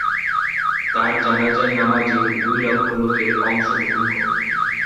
তাঁর জানাজার নামাজে দুই লক্ষ লোকের অংশ গ্রহণ করে।